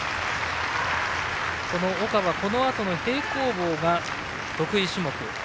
岡はこのあとの平行棒が得意種目。